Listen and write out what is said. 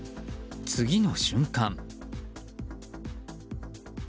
次の瞬間。